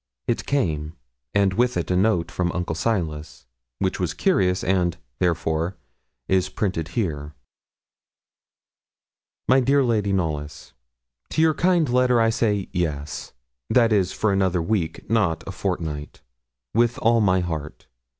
It came, and with it a note from Uncle Silas, which was curious, and, therefore, is printed here: 'MY DEAR LADY KNOLLYS, To your kind letter I say yes (that is, for another week, not a fortnight), with all my heart.